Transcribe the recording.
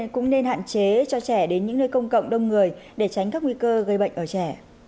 cũng nên hạn chế cho trẻ đến những nơi công cộng đông người để tránh các nguy cơ gây bệnh ở trẻ